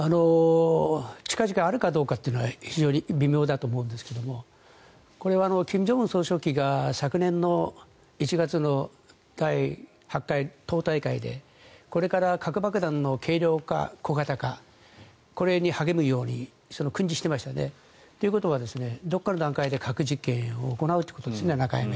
近々あるかどうかは非常に微妙だと思うんですがこれは金正恩総書記が昨年１月の第１００回党大会でこれから核爆弾の軽量化、小型化これに励むように訓示してましたよね。ということは、どこかの段階で核実験を行うということですね。